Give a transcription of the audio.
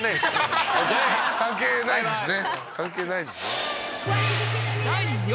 関係ないですね。